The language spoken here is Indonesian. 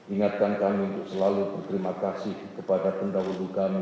ingatkan kami untuk selalu berterima kasih kepada pendahulu kami